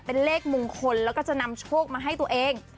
เป็นเลขมงคลแล้วก็จะนำโชคมาให้ตัวเอง